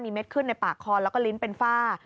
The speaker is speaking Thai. เม็ดขึ้นในปากคอแล้วก็ลิ้นเป็นฝ้า